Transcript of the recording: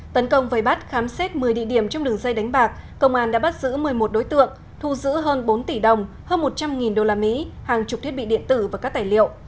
tấn công với bắt khám xét một mươi địa điểm trong đường dây đánh bạc công an đã bắt giữ một mươi một đối tượng thu giữ hơn bốn tỷ đồng hơn một trăm linh usd hàng chục thiết bị điện tử và các tài liệu